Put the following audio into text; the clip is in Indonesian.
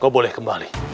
kau boleh kembali